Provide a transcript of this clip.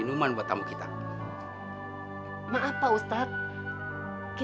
cuma demam biasa aja kok